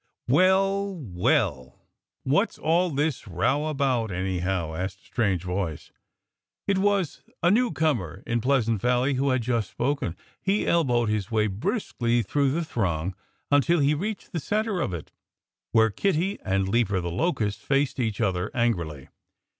"Well, well what's all this row about, anyhow?" asked a strange voice. It was a newcomer in Pleasant Valley who had just spoken. He elbowed his way briskly through the throng until he reached the center of it, where Kiddie and Leaper the Locust faced each other angrily.